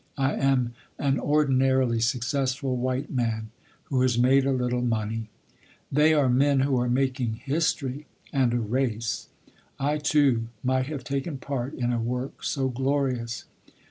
I am an ordinarily successful white man who has made a little money. They are men who are making history and a race. I, too, might have taken part in a work so glorious.